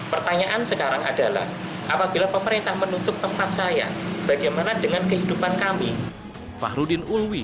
pertanyaan sekarang adalah apabila pemerintah menutup tempat saya bagaimana dengan kehidupan kami